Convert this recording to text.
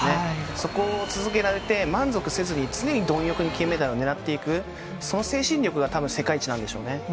そこを続けられて、満足せずに常に貪欲に金メダルを狙っていく、その精神力がたぶん世界一なんでしょうね。